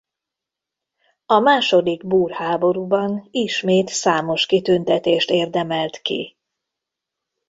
A második búr háborúban ismét számos kitüntetést érdemelt ki.